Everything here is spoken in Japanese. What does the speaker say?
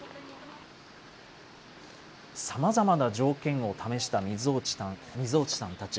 さまざまな条件を試した水落さんたち。